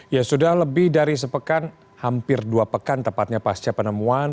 ya sudah lebih dari sepekan hampir dua pekan tepatnya pasca penemuan